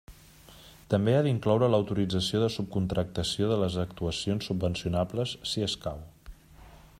També ha d'incloure l'autorització de subcontractació de les actuacions subvencionables, si escau.